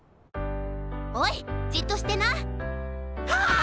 おいじっとしてな！